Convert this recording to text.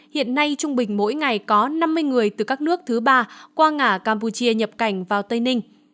hiện nay trung bình mỗi ngày có năm mươi người từ các nước thứ ba qua ngã cảnh vào tây ninh